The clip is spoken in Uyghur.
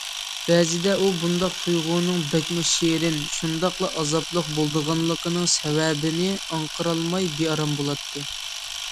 بەزىدە ئۇ بۇنداق تۇيغۇنىڭ بەكمۇ شېرىن، شۇنداقلا ئازابلىق بولىدىغانلىقىنىڭ سەۋەبىنى ئاڭقىرالماي بىئارام بولاتتى.